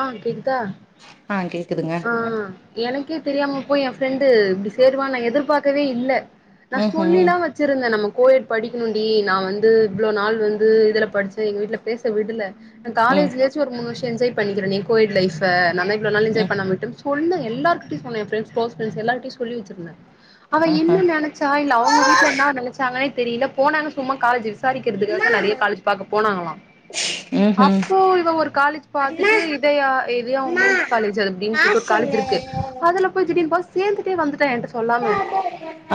ஆ [unintelligible] ந்தா ஆ கேக்குதுங்க ஆ எனக்கே தெரியாம போயி ஏ ஃப்ரெண்டு இப்டி சேருவானு நா எதிர்பாக்கவே இல்ல நா ம் ம் சொல்லிலா வச் சிருந்தே நம்ம கோயேட் படிக்கணுன்டி நா வந்து இவ்ளோ நாள் வந்து இதுல படிச்சே எங்க வீட்ல பேச விடல நா ம் காலேஜ்லயாச்சு ஒரு மூனு வர்ஷோ என்ஜாய் பண்ணிக்கிறேனே கோயேட் லைஃப்ப நா தா இவ்ளோ நாள் என்ஜாய் ம் பண்ணாம விட்டும் சொன்னே எல்லார்கிட்டயு சொன்னே ஏ ஃப்ரண்ட்ஸ் க்ளோஸ் ஃப்ரெண்டஸ் எல்லார்கிட்டயு சொல்லி வச்சிருந்தே அவ ஆஹா என்ன நெனச்சா இல்ல அவங்க வீட்ல என்னா நெனச்சாங்கனே தெரியில போனாங்க சும்மா காலேஜ் விசாரிக்கிறதுக்காக நெறைய காலேஜ் பாக்க போனாங்களா ம் ம் அப்போ இவ ஒரு காலேஜ் பாத்துட்டு இதயா இதையா உமன்ஸ் காலேஜ் அது அப்டின் [unintelligible] காலேஜ் இருக்கு அதுல [unintelligible] சேந்துட்டே வந்துட்டா ஏன்ட சொல்லாம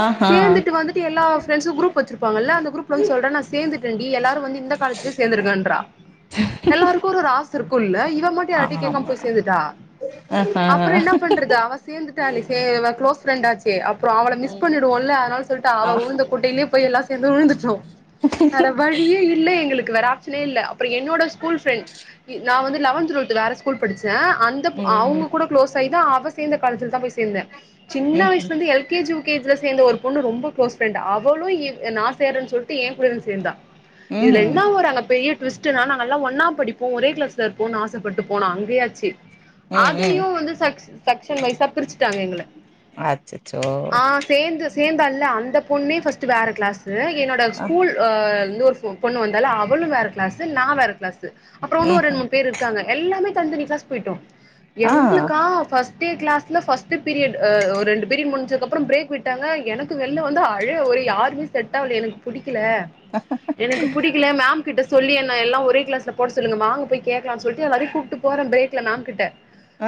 ஆஹா சேந்துட்டு வந்து எல்லா ஃப்ரெண்டஸு குரூப் வச்சிருப்பாங்கல்ல அந்த குரூப்ல வந்து சொல்றா நா சேந்துடண்டி எல்லாரு வந்து இந்த காலேஜ்லே சேந்துருங்கன்றா எல்லாருக்கு ஒரு ஒரு ஆச இருக்கு இல்ல இவ மட் யார்கிட்டயு கேக்காம ஆமா போயி சேந்துட்டா ஆஹா அப்புறோ என்னா பண்றது அவ சேந்துட்டால செ அவ க்ளோஸ் ஃப்ரெண்டாச்சே அப்பறோ அவள மிஸ் ம் பண்ணிவோம்ல அதுனால சொல்லிட்டா ஆ அவ உழுந்த கொட்டையிலேய எல்லா சேந்து விழுந்துட்டோ வேற வழியே இல்ல எங்களுக்கு வறாச்சளே இல்ல அப்பறோ என்னோட ஸ்கூல் ஃப்ரெண்ட் நா வந்து லெவன்த் டுவெல்த் வேற ஸ்கூல் படுச்சே அந்தப் ம் அவங்க கூட க்ளோஸ் ஆயிதா அவ சேந்த காலேஜ்ல தா போயி சேந்தே சின்ன ம் வயசுலந்து L K G U K G ல சேந்த ஒரு பொண்ணு ரொம்ப க்ளோஸ் ஃப்ரெண்ட் அவளு நா சேருறேன்னு சொல்லிட்டு ஏங்கூடயே வந்து சேந்தா ம் இதுல என்ன ம் ஒரு அங்க பெரிய டுவிஸ்டுனா நாங்கெல்லா ஒன்னா படிப் ஒரே க்ளாஸ்ல இருப்போனு ஆசப்பட்டு போனா அங்கேயாச்சு ம் அதையு வந்து செ க்ஷன் வைஸா பிரிச்சுட்டாங்க எங்கள அச்சச்சோ ஆ சேந்து சேந்தால்ல அந்த பொண்ணே ஃபர்ஸ்ட்டு வேற க்ளாஸு என்னோட ஆ ஸ்கூல் ஒரு பொண்ணு வந்தால அவளு வேற க்ளாஸு நா வேற க்ளாஸு அப்பறோ இன்னு ம் ஒரு ரெண் ம் மூன் பேரு இருக்காங்க எல்லாமே தனி தனி க்ளாஸ் போயிட்டோ ஆ எங்களுக்காக ஃபஸ்ட் டே க்ளாஸ்ல ஃபஸ்டு பீரியட் அ ஒ ரெண்டு பீரியட் முடிஞ்சக்கப்றோ ப்ரேக் விட்டாங்க எனக்கு வெளியில வந்தா அழ ஒரே யா [unintelligible] செட்டாவல எனக்கு புடிக்கல ஆ எனக்கு புடிக்கல மேம் கிட்ட சொல்லி என்ன எல்லா ஒரே க்ளாஸ்ல போட சொல்லுங்க வாங்க போயி கேக்கலா சொல்லிட்டு எல்லாரையு கூப்டு போறே ப்ரேக்ல மேம் கிட்ட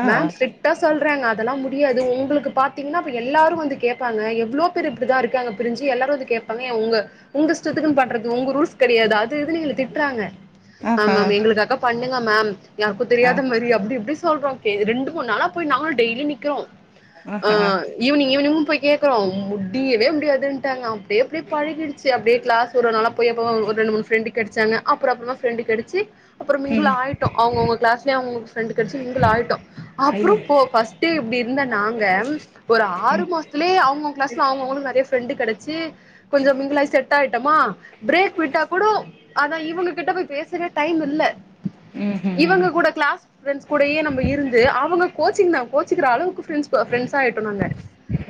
ஆ மேம் ஸ்ட்ரி க்டா சொல்றாங்க அதெல்லா முடியாது உங்களுக்கு பாத்தீங்கனா அப்ப எல்லாரு வந்து கேப்பாங்க எவ்ளோ பாதி பேர் இப்டிதா இருக்காங்க பிரிஞ்சு எல்லாரு வந்து கேப்பாங்க ஏ உங்க உங்க இஷ்டத்துக்குன்னு பண்றதுக்கு உங்க ரூல்ஸ்னு கெடையாது அது இதுனு எங்கள திட்றாங்க மேம் ஆஹா மேம் எங்களுக்காக பண்ணுங்க மேம் யாருக்கு ஆ தெரியாத மாரி அப்டி இப்டி சொல்றோ ரெண்டு மூணு நாளா போயி நாங்களு டெய்லி நிக்கிறோ ஆ ஆஹா ஈவ்னிங் ஈவ்னிங் போயி கேக்குறோ முடியவே முடியாதுனுட்டாங்க அப்டியே போயி பழகிடுச்சு அப்டியே க்ளாஸ் ஒரு ஒரு நாளா போயி அப்போ ஒரு ரெண் மூணு ஃப்ரெண்டு கெடச்சாங்க அப்புற அப்றோமா ஃப்ரெண்டு கெட ச்சி அப்புறோ மிங்கிள் ம் ஆயிட்டோ அவுங்கவுங்க க்ளாஸ்லயே அவுங்கவுங்களுக்கு ஃப்ரெண்டு கெடச்சு மிங்கிள் ஆயிட்டோ ஐய அப்புறோ போ ஃபஸ்ட்டே இப்டி இருந்த நாங்க ஒரு ஆறு மாசத்துலேயே அவுங்கவுங்க க்ளாஸ்ல அவங்கவுங்களுக்கு நெறையா ஃப்ரெண்டு் கெடச்சு கொஞ்சோ மிங்கிளாயி செட் ஆயிட்டமா பிரேக் விட்டாக்கூடோ அதா இவங்க கிட்ட போய் பேச துக்கு டைம் இல்ல ம் ம் இவங்க கூட கிளாஸ் ஃப்ரெண்ட்ஸ் கூடயே நம்ப இருந்து அவங்க கோச்சிங்னா கோச்சிக்கிற அளவுக்கு ஃப்ரெண்ட்ஸ் ப ஃப்ரெண்ட்ஸ் ஆயிட்டோ நாங்க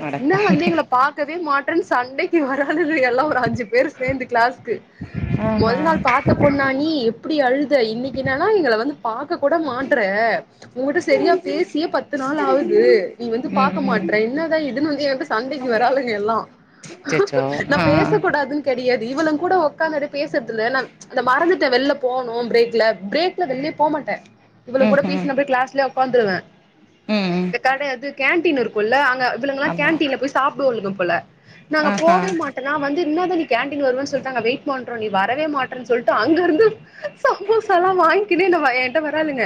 அட இன்னா வந்து எங்கள பாக்கவே மாட்றன் சண்டைக்கு வராலுவ எல்லா ஒரு அஞ்சு பேரு சேந்து கிளாஸ்க்கு மொத நாள் ஆஹா பாத்த பொண்ணா நீ எப்டி அழுத இன்னைக்கி என்னனா எங்கள வந்து பாக்க கூட மாட்றே உங்கட்ட சரியா பேசியே பத்து நாள் ஆவுதூ நீ வந்து ம் பாக்க ம் மாட்ற என்னதா இதுன்னு வந்து ஏன்ட்ட சண்டைக்கு வராளுங்க எல்லா அச்சச்சோ நா ஆ ஆ பேசக்கூடாதுன் கெடையாது இவளுங் கூட உக்காந்து அப்டே பேசற்துல்ல நா அந்த மறந்துட்ட வெள்லப் போனூ பிரேக்ல பிரேக்ல வெள்லயே போ மாட்டே இவளுங் ம் கூட ம் பேசின் அப்டியே கிளாஸ்லயே உக்காந்துருவே ம் ம் இந்த கட அது கேன்டீன் இருக்குல்ல அங்க இவளுங்கலா ஆமா கேண்டீன்ல போய் சாப்டுவாளுக போல நாங்க ஆஹா போவே மாட் நா வந்து இன்னதா நீ கேண்டீன் வருவன் சொல்ட்டு நாங்க வெயிட் பண்றோ நீ வரவே மாட்றனு சொல்ட்டு அங்கருந்து சமோசாலா வாய்ங்கினு என்னவ ஏய்ன்ட்ட வராளுங்க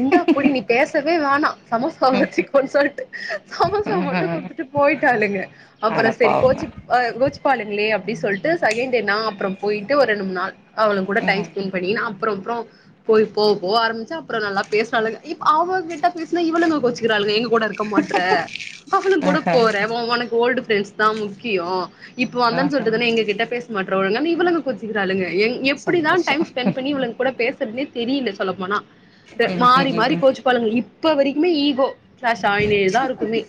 இந்தா புடி நீ பேசவே வேணா சமோசாவ ம் வச்சுக்கோன் சொல்ட்டு சமோசா மட்டு ம் குடுத்துட் போயிட்டாளுங்க அப்பறோ செரி அடப்பாவமே கோச்சிப் ஆ கோச்சிப்பாளுங்ளே அப்டி சொல்ட்டு செகண்டே நா அப்றோ போயிட்டு ஒரு ரெண்டு மூண் நாள் அவளுங்கூட டைம் ம் ஸ்பெண்ட் பண்ணி நா அப்றொ அப்றொ பொய் போவ போவ ஆரமிச்சி அப்றோ நல்லா பேசுறாளுங்க இப் அவங் கிட்ட பேசுனா இவளுங்க கோச்சுக்கிறாளுங்க எங்க கூட இருக்க மாட் றே அவளுங் கூட ஆஹா போற ஒ ஒனக்கு ஓல்டு ஃப்ரெண்ட்ஸ்தா முக்கியொ இப்ப வந்தன் ஆஹா சொல்ட்டுதான எங்க கிட்ட பேச மாட்ற ஒழுங்கானு இவளுங்க கோச்சிக்கிறாளுங்க என் எப்டிதா சந்தோஷோ ஸ்பென்ட் பண்ணி இவளுங் கூட பேசுறதுனே தெரியல சொல்ல போனா ம் மாறி ம் மாறி ம் கோச்சுப்பாலுங்க இப்ப வரைக்குமே ஈகோ கிளாஸ் ஆயினேதா இருக்குமே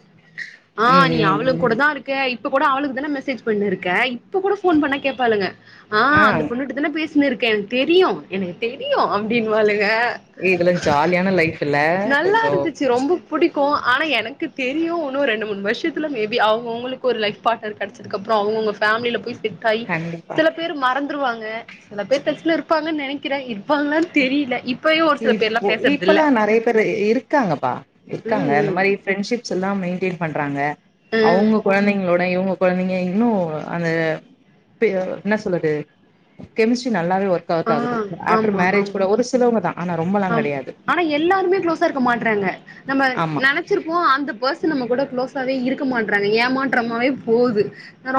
ஆ நீ அவளுங் கூட ம் தா இருக்க இப்ப கூட அவளுக்கு தானே மெசேஜ் பண்ணுருக்க இப்ப கூட போன் பண்ணா கேப்பாளுங்க ஆ அந்த பொண்ணுட்ட தானே பேசினுருக்கே எனக்கு தெரியு எனக்கு தெரியூ அப்டின் வாளுக இதுல ஜாலியான லைஃப் இல்ல கொஞ்சோ நல்லாருந்துச்சு ரொம்ப புடிக்கு ஆனா எனக்கு தெரியு இன்னு ரெண்டு மூணு வருஷத்துத்துல மேபி அவங்கவுங்களுக்கு ஒரு லைஃப் பார்ட்னர் கெடச்ச துக்கப்றோ அவுங்கவுங்க பேமிலீல போய் செட் காய் கண்டிப்பா சில பேரு மறந்துருவாங்க சில பேர் டச்ல இருப்பாங்கன் நெனைக்கிறே இருப்பாங்களான் தெரில இப்பயு ஒரு சில பேர்லா இப்போ பேசறதில்ல இப்பலா நெறைய பேரு இருக்காங்கப்பா இருக்காங்க ம் அந்த மாரி ஃப்ரெண்ஷிப்ஸெல்லா மெயின்டெய்ன் பண்றாங்க ம் அவங்க கொழந்தைங்ளோட இவங்க குழந்தைங்க இன்னு அந்த பெ என்ன சொல்லுறு கெமிஸ்ட்ரி நல்லாவே ஒர்க் அவுட் ஆ ஆகுது ஆ ஆப் ஆமா ஆம் ஆம் கெடையாது ஆனா எல்லாருமே க்ளோஸா இருக்க மாட்றாங்க நம்ம ஆமா நெனைச்சிருப்போ அந்த பர்ஸ் து நம்மக்கூட க்ளோஸ்வே இருக்க மாட்றாங்க ஏமாற்றமாவே போகுது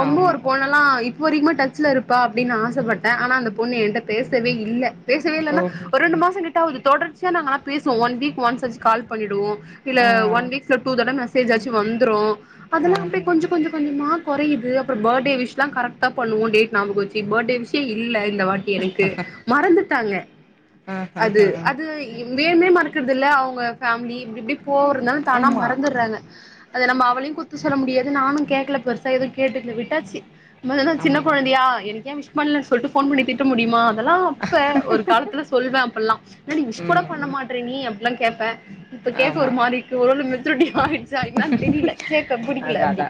ரொம்ப ஆமா ஒரு பொண்ணெல்லா இப் ப வரைக்குமே டச்ல இருப்பா அப்டின் ஆசப்பட்டே ஆனா அந்த பொண்ணு ஏன்ட்ட பேசவே இல்ல பேசவே இல்லனா ஓஹோ ஒர் ரெண்டு மாசோ கிட்ட ஆவுது தொடர்ச்சியா நாங்க ஆனா பேசுவோ ஒன் வீக் ஒன்ஷ் ஆச்சி கால் பண்ணிடுவோ இல்ல ஆ ஒன் வீக்ல டூ தட மெசேஜ் ஆச்சி வந்ரூ ஆ அதெல்லா அப்டியே கொஞ்ச கொஞ்ச கொஞ்சமா கொறையிது அப்றொ பர்டே விஷ்லா கரெக்டா பண்ணுவோ டேட் ஞாபகொ வச்சி பர்டே விஷ்ஷே இல்ல இந்த வாட்டி டு மறந்துட்டாங்க ஆ ஆ அது ஆ அது வேணும்னே மறக்குறதில்ல அவங்க ஃபேம்லீ இப்டி இப்டி போறனால தானா ஆமா மறந்துர்றாங்க அத நம்ம அவளையு குத்தொ சொல்ல முடியாது நானு கேக்கல பெருசா எதுவு கேட்டுக்க விட்டாச்சி நம்மதென்ன சின்ன ஆமாண்ணா கொழந்தயா எனக்கு ஏ விஷ் பண்ணலன்னு சொல்ட்டு ஃபோன் பண்ணி திட்ட முடியுமா அதெல்லா அப்ப ஒரு காலத்துல சொல்லூவே அப்பல்லா எனடி விஷ் கூட ம் பண்ண ம் மாட்ற நீ அப்பில்லா கேப்பே இப்ப கேக்க ஆமா ஒரு மாரி இருக்கு ஒரு வேள மெச்சுரிட்டி ஆயிருச்சா என்னான் தெரில கேக்க புடிக்கல அப்டி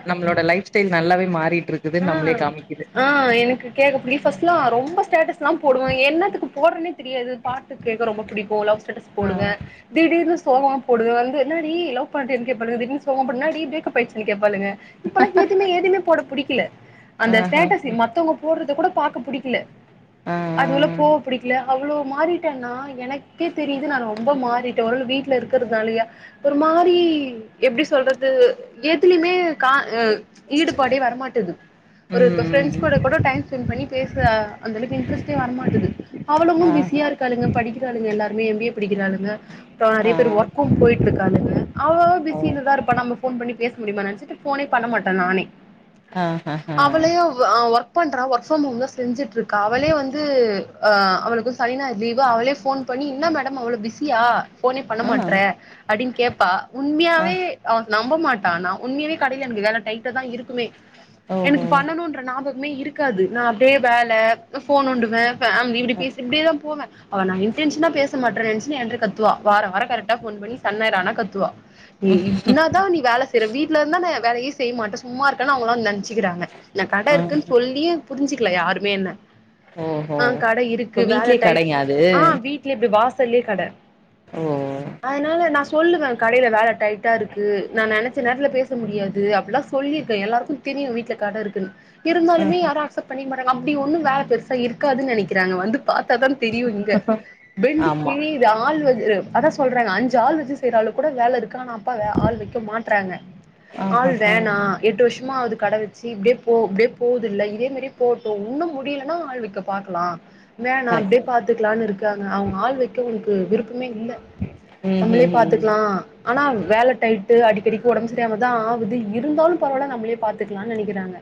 ட்டு நல்லாவே மாறிட்டு இருக்குதுனு ஆ நம்மளே காமிக்குது ஆ எனக்கு கேக்க புடி ஃபஸ்ட்லா ரொம்ப ஸ்டேட்டஸ் லா போடுவோ என்னத்துக்கு போடுறன்னே தெரியாது பாட்டு கேக்க ரொம்ப புடிக்கு லவ் ஸ்டேட்டஸ் ஆ போடுவே திடீர்னு சோகமா போடுவே வந்து எநாடி லவ் பண்றியானு கேப்பாளுக திடீர்னு சோகம் போட்டனே டி பிரேக்கப் ஆயிச்சானு கேப்பாளுக இப்பல்லா எதுமே எதுமே போட புடிக்கல ஆ அந்த ஆ ஸ்டேட்டஸ் மத்தவங்க போடுறத கூட பாக்க புடிக்கல ஆ அது உள்ள போக புடிக்கல அவ்வளவு மாறிட்டேன்னா எனக்கே தெரியுது நா ரொம்ப மாறிட்டே ஒருவேல வீட்ல இரு இருக்கறதுனாலயா ஒரு மாரி எப்டி சொல்றது எதுலயுமே கா அ ஸ்டில்ல ஈடுபாடே வரமாட்டேது ஒரு இப்ப ம் ஃபிரண்ட்ஸ் கூட கூட டைம் ஸ்பெண்ட் பண்ணி பேஸ்ர அந்த அளவுக்கு இன்ட்ரெஸ் டே வரமாட்டது அவ்வளுங்கு ஆ பிஸியா இருக்காளுங்க படிக்கிறாளுங்க எல்லாருமே எம் பி ஏ படிக்கிறாளுங்க இப்ப நெறைய ஆ பேர் ஒர்க்கு போயிட்ருக்காளுங்க அவளுகளு ஓ பிசிலதா இருப்பா நம்ம ஃபோன் பண்ணி பேச முடியுமா நெனைச்சட்டு ஃபோனே பண்ண மாட்டே நானே ஆ ஆ ஆ அவளேயு அ ஒர்க் பண்றா ஒர்க் ஃபிரம் ஹோம் தா செஞ்சுட்ருக்கா அவளே வந்து து ஆ அவளுக்கு சனி ஞாயிறு லீவு அவளே ஃபோன் பண்ணி இன்னா மேடம் அவ்ளோ பிஸியா ஃபோனே பண்ண ஆ மாட்ற அப்டின் கேப்பா உண்மையா ஆ அவ நம்பமாட்டா நா உண்மையாவே கடேல எனக்கு வேல டைட்டா தா இருக்குமே எனக்கு ஓஹோ பண்ணணுன்ற நாபகமே இருக்காது நா அப்டியே வேல ஃபோன் நோண்டுவே பே இப்டி ஆ பேசி இப்டியேதா போவே அவ நா இன்டென்சனா பேச மாட்றேன் நெனச்சு என்ற கத்துவா வார வார கரெக் டா ஃபோன் பண்ணி சன்வேறானா கத்துவா நீ இன்னா தா நீ வேல செய்ற வீட்ல இருந்தான வேலயே செய்ய மாட்ட சும்மா இருக்கன் அவுங்கல்லா நெ னச்சுகுறாங்க இந்த கட ஆ இருக்குன் சொல்லியே புருஞ்சுக்கல யாருமே என்ன ஓஹோ ஆ கட இருக்கு இப்ப வேல வீட்லயே டைட் கடைங்க அது ஆ வீட் வீட்லு இப்பு வாசல்லயே கட ஓ அதுனால நா சொல்லுவே கடேல வேல டைட்டா இருக்கு நா நெனைச்ச நேரத்துல பேச பேச முடியாது அப்பில்லா சொல்லிருக்கே எல்லாருக்கு தெரியு வீட்ல கட இருக்குன் இருந்தாலுமே யாரு அக்சப் பண்ணிக்க மாட்டறாங்க அப்டி ஒண்ணு வேல பெருசா இருக்காதுன் நெனைக்கிறாங்க வந்து பாத்தாதான தெரியு இங்க பெண்டு ஆஹா கிழி து ஆள் அது அதா சொல்றேன்ல அஞ்சு ஆள் வச்சு செய்யற அளவுக் கூட வேல இருக்கு ஆனா அப்பா ஆ ஆள் வக்க மாட்றாங்க ஆள் ஆஹா வேணா எட்டு வருஷமா கட வச்சு இப்டியே போ இப்டியே போகுதுல்ல இதே மாரியே போட்டு வுன்னோ முடிலனா ஆள் வக்க பாக்லா வேணா அப்டியே கரெக்ட் பாத்துக்கலான்னு இருக்காங்க அவுங்க ஆள் வைக்க அவுங்களுக்கு விருப்பமே இல்ல ம் நம்மளே ம் பாத்துக்கலா ஆனா வேலை டைட்டு அடிக்கடிக்கு ஒடம்பு சரியாமதா ஆகுது இருந்தாலு பரவால்ல நா நம்மளே பாத்துக்கலான் நெனைக்கிறாங்க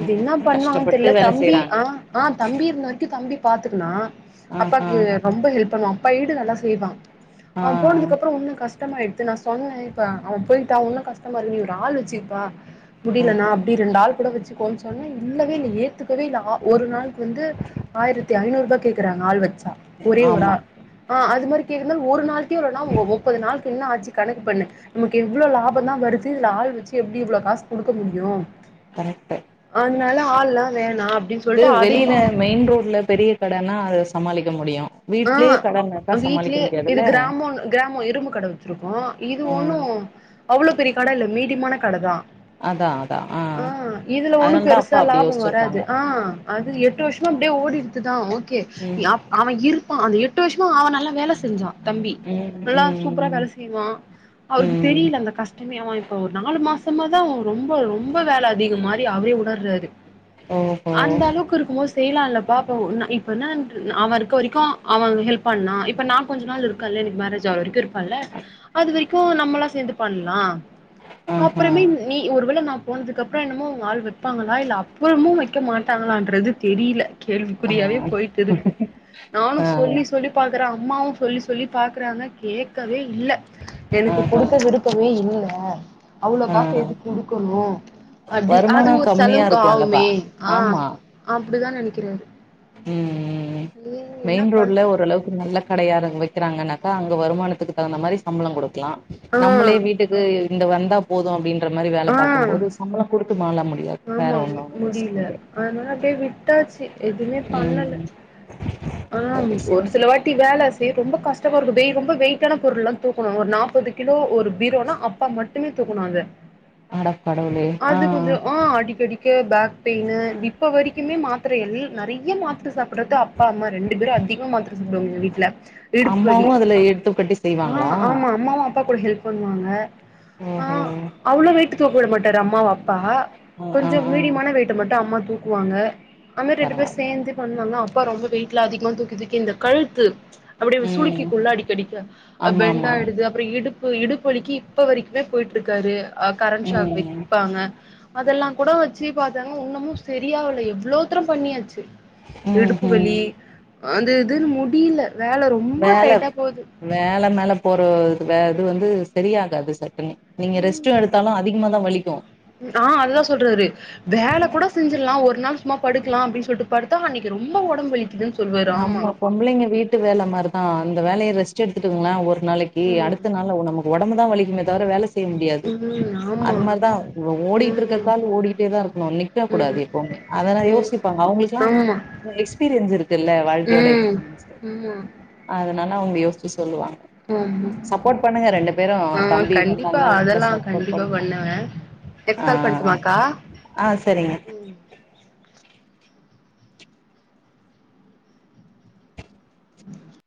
அது ம் என்னா ம் பண்ணுவாங்கன் கஷ்டப்பட்டு தெர்ல வேல தம்பி செய்றாங்க ஆ ஆ தம்பி இருந்த வரைக்கு தம்பி பாத்துக்குனா ஆஹா அப்பாக்கு ரொம்ப ஹெல்ப் பண்ணுவா பயிடு நல்லா செய்வா ஆ அவம் போனதுக்கப்பறோ வுன்னுங் கஷ்டமாயிட்த்து நா சொன்னே இப் ப்ப அவம் போயிட்டா வுன்னு கஷ்டமா இருகு நீ ஒரு ஆள் வெச்சிர்ப்பா ஆ முடிலனாப் ரெண்டு ஆள் கூட வச்சுக்கோன் சொன்ன இல்லவே இல்ல ஏத்துக்கவே இ ஒரு நாள் அது வந்து ஆயிரத்தி ஐநூறு ருபா கேக்குறாங்க ஆள் வச்சா ஒரே ஒரு ஆ ஆமா ஆ அது மாரி கேக்குறனால ஒரு நாளக்கே இவ்ளோனா ஒ ஒ முப்பது நாளுக்கு என்னா ஆச்சு கணக்கு பண்ணு நமக்கு இவ்ளோ லாபந் தா வருது இதுல ஆள் வச்சு எப்டி இவ்ளோ காசு குடுக்க முடியு கரெக்ட்டு அதுனால ஆள்லா வேணா அப்டின் அது வெளில மெயின் ரோட்ல பெரிய கடேன்னா அத சமாளிக்க முடியு ஆ வீட்லயே கடன்னாக்கா சமாளிக்க வீட்லயே இது முடியாதுல்ல கிராமோ கிராமோ இரும்பு கட வச்சுருக்கோ இது ஒண்ணு அவ்ளோ பெரிய கட இல்ல மீடியமான கடதா அதா அதா ஆ இதுல ஒண்ணு அதனால தா பெருசா அப்பா அப்டி லாபோ வராது யோசிச்சிருக்காங்க ஆ அது எட்டு வருஷோம் அப்டியே ஓடிடுத்துதா ஓகே ம் அவன் இருக் அந்த எட்டு வருஷோ அவன் நல்லா வேல செஞ்சா தம்பி நல்லா சூப்பரா ம் ம் வேல செய்வா அவுருக்கு ம் தெரியல அந்த கஷ்டமே அவ இப்ப ஒரு நாலு மாசமா தா ரொம்ப ரொம்ப வேல அதிக மாரி அவரே உணர் ராரு ஓஹோ அந்த அளவுக்கு இருக்குபோது செய்யலா இல்லப்பா அப்ப இப்ப என்ன அவ இருக்க வரிக்கு அவன் ஹெல்ப் பண்ணா இப்ப நா கொஞ்சோ நாள் இருக்கல்ல எனக்கு மேரேஜ் ஆகற வரைக்கு இருப்பல்ல அது வரைக்கு நம்மளா சேந்து பண்ணலா அப்றமே ஆஹா நீ ஒருவேல போனதுக்கு அப்புறோ என்னமோ அவுங்க ஆள் வைப்பாங்களா இல்ல அப்புறமு வைக்க மாட்டாங்களான்றது தெரியில ஆ கேள்விக்குறியாவேப் போயிட்டுருக்கு ஆ நானுச் சொல்லி பாக்கற அம்மாவு சொல்லி சொல்லி பாக்கறாங்க கேட்கவே இல்ல எனக்கு ஆஹா குடுக்க விருப் இப்பவே இல்ல அவ்ளோக் ஆ காச எதுக் குடுக்கணு அப்டி அது வருமானம் ஒரு கம்மியா செலவுக்கு இருக்கும்லப்பா ஆவுமே ஆ ஆமா அப்டிதா நெனிக்கிறாரு ம் ம் ம் மெயின் பண் ரோடுல ஓரளவுக்கு நல்ல கடையாருங் வெக்கிறாங்கன்னாக்கா அங்க வருமானத்துக்கு தகுந்த மாரி சம்பளோங் குடுக்லா ஆ நம்மளே வீட்டுக் து இந்த வந்தாப் போது அப்டின்ற மாரி ஆ வேலப் பாக்கும்போது சம்பளங் குடுத்து மால முடியாது வேற ஆமா ஒண்ணு முடியல யோசிக்க அதனால அப்டியே விட்டாச்சி எதுவுமே பண்ணல ம் ஆம் சரி சரி ஒரு சில வாட் தி வேல செய் ரொம்ப கஷ்டமா இருக்கு டேய் ரொம்ப வெய்ட்டான பொருள்லா தூக்கணும ஒரு நாப்பது கிலோ ஒரு பீரோனா அப்பா மட் டுமே தூக்குணு அத அடக்கடவுளே ஆ அது ஆ கொஞ்சோ ஆ அடிக்கடிக்கே பேக் பெயினு இப்ப வரைக்குமே மாத்திர எல் நிறைய மாத்திர சாப்பிடுறது அப் அப்பா அம்மா ரெண்டு பேரு அதிகமாம் மாத்ர சப்புடுவாங்க எங்க வீட்ல இடுப்பு வலி அம்மாவு அதுல எடுத்து கட்டி ஆமா செய்வாங்களா ஆமா அம்மாவு அப்பா கூட ஹெல்ப் பண்ணுவாங்க ம் ஆ ம் அவ்ளோ வெயிட் தூக்க விட மாட்டாரு அம்மாவ அப்பா ஆ ஆ கொஞ்சோ ஆ மீடியமான வெயிட்ட மட்டு அம்மா தூக்குவாங்க அம்மே ரெண்டு பேரு பரவால்ல சேந்து பண் [unintelligible] பா ரொம்ப வெயிட்லா அதிக்னுன் தூக்கி தூக் இந்த கழுத்து அப்டியே ம் சுளிக்கிகுல அடிக்கடி ஆமா ஆமா பெண்டாயிடுது அப்றோ இடுப்பு இடுப்பு வலிக்கு இப்ப வரைக்குமே போயிட்ருக்காரு ஆ கரண்ட் ஷாக் ம் வெப்பாங்க அதெல்லா கூட வெச்சு பாத்தாங்க உன்னுமு சரியாவல எவ்ளோத்தர பண்ணியாச்சு ம் இடுப்பு ம் வலி அந்த இதுன்னு முடியல வேல ரொம்ப வேல டைட்டா போது வேல மேல போற இது வந்து சரியாகாது சட்டினு நீங்க ம் ரெஸ்ட்டு எடுத்தாலு அதிக் ம்மா தா வலிக்கு ஆ அதுதா சொல்றாரு வேல கூட செஞ்சிடலா ஒரு நாள் சும்மா படுக்கலா அப்டின்னு சொல்லிட்டு பாடுத்தா அன்னைக்கி ரொம்ப ஒடம்பு வலிக்குதுன்னு சொல்லுவாரு ஆமா நம்ம பொம்பளைங்க வீட்டு வேல மாரிதா அந்த வேலய ரெஸ்ட் எடுத்துகுங்ளா ஒரு நாளைக்கு டே ம் அடுத்த நாள்ல உ நமக்கு ஒடம்புதா வலிக்குமே தவர வேல செய்ய முடியாது ம் அது ஆமா மாரிதா இ ஓடிட்டு ம் இருக்கக்கா ஓடிட்டேதா இருக்கணு நிக்க ம் கூடாது ம் எப்பவுமே அதெல்லா யோசிப்பாங்க ஆமா அவங்களுக்கெல்லா எக்ஸ்பீரியன்ஸ் இருக்கு வாழ்க்கையோட ம் எக்ஸ்பீரிமென்ஸே அதனால அவங்க யோசிச்சு சொல்லுவாங்க ஆமா ஆமா சப்போட் பண்ணுங்க ரெண்டு பேரு ஆ தம்பி கண்டிப்பா வந்தாங்கனா வீட்ல சப்போட் பண்ணுங்க நெட் கால் ஆ பண்ணட்டுமாக்கா ஆ செரிங்க ம் [unintelligible]